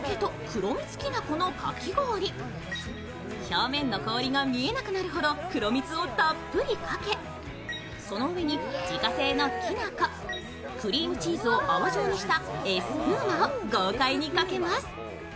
表面の氷が見えなくなるほど黒蜜をたっぷりかけ、その上に自家製のきなこ、クリームチーズを泡状にしたエスプーマを豪快にかけます。